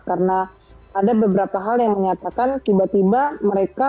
karena ada beberapa hal yang menyatakan tiba tiba mereka